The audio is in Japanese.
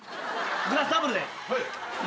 グラスダブルで。